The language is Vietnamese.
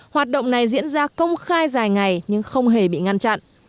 hoạt động này diễn ra công khai dài ngày nhưng không hề bị ngăn chặn